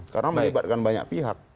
karena melibatkan banyak pihak